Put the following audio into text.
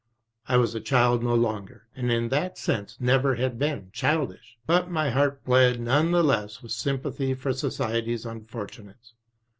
I was a child no longer, and in that sense never had been childish. But my heart bled none the less with sympathy for society's unfortunates.